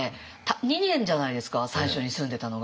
２年じゃないですか最初に住んでたのが。